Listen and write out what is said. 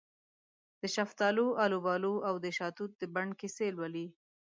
دشفتالو، الوبالواودشاه توت د بڼ کیسې لولې